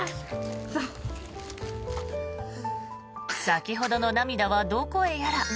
先ほどの涙はどこへやら。